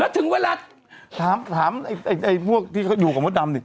แล้วถึงเวลาถามพวกที่อยู่กับบทดำนึง